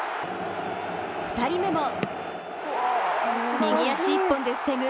２人目も、右足１本で防ぐ